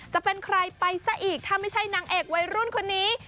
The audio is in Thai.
จะเป็นใครไปซะอีกถ้าไม่ใช่นางเอกวัยรุ่นคนนี้